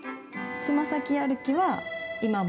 つま先歩きは今も？